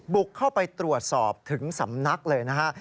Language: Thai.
บุกเข้าไปตรวจสอบถึงสำนักเลยนะฮะ